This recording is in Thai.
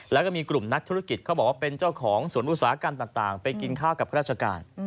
แล้วก็มีกลุ่มนักธุรกิจเขาบอกว่าเป็นเจ้าของสวนอุตสาหกรรมต่างไปกินข้าวกับราชการ